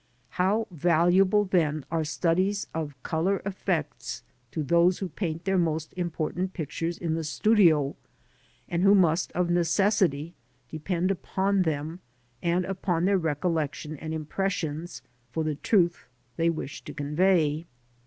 How valuable, then, are studies of colour effects to those who paint their most important pictures in the studio, and who must, of necessity, depend upon them, and upon their recollection and impressions, for the truth they wish to convey.